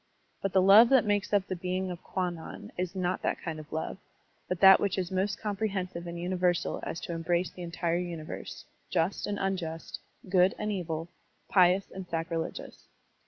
But the love that makes up the being of Kwannon is not that kind of love, but that which is most comprehensive and uni versal as to embrace the entire universe, just and unjust, good and evil, pious and sacrilegious.